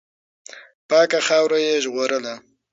پاکه خاوره یې ژغورله.